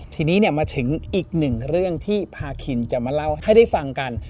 ทีนี้มาถึงอีกหนึ่งเรื่องที่พาคินจะมาเล่าให้ได้ฟังกัน